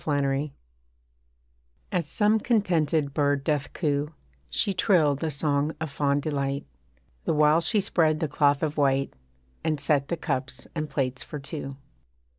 NOON As some contented bird doth coo She trilled a song of fond delight, The while she spread the cloth of white, And set the cups and plates for two.